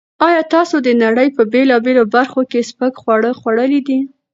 ایا تاسو د نړۍ په بېلابېلو برخو کې سپک خواړه خوړلي دي؟